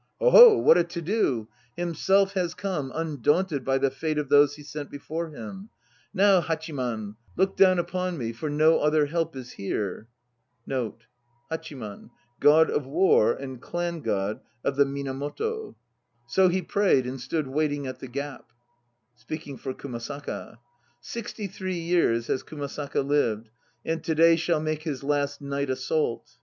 "Hoho! What a to do! Himself has come, undaunted by the fate of those he sent before him. Now, Hachiman, 1 look down upon me, for no other help is here." So he prayed, and stood waiting at the (Speaking for KUMASAKA.) "Sixty three years has Kumasaka lived, and to day shall make his last night assault."